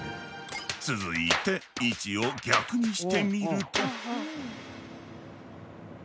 続いて位置を逆にしてみると。